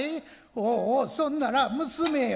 「おおおそんなら娘よ」。